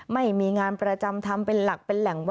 ไม่มีงานประจำทำเป็นหลักเป็นแหล่ง